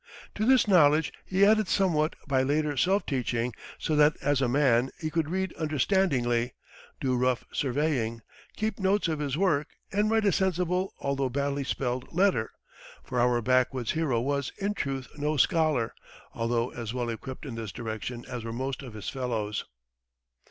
To this knowledge he added somewhat by later self teaching, so that as a man he could read understandingly, do rough surveying, keep notes of his work, and write a sensible although badly spelled letter for our backwoods hero was, in truth, no scholar, although as well equipped in this direction as were most of his fellows.